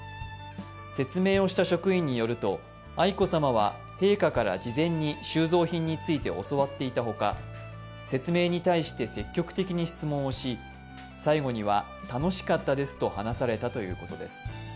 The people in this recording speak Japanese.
説明した職員によると、愛子さまは陛下から事前に収蔵品について教わっていたほか、説明に対して積極的に質問をし最後には、楽しかったですと話されたということです。